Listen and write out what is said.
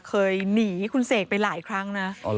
เคยหนีคุณเสกไปหลายครั้งนะ